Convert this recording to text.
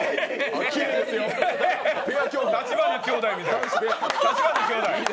立花兄弟みたい。